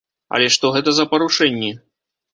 Але што гэта за парушэнні?